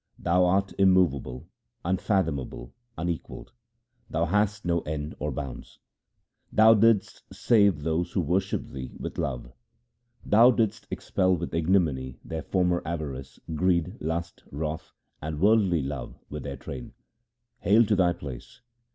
Thou art immovable, unfathomable, unequalled ; thou hast no end or bounds. Thou didst save those who worshipped thee with love ; 254 THE SIKH RELIGION Thou didst expel with ignominy 1 their former avarice, greed, lust, wrath, and worldly love with their train. Hail to thy place